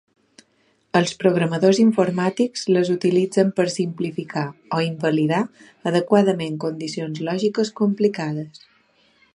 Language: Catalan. Els programadors informàtics les utilitzen per simplificar o invalidar adequadament condicions lògiques complicades.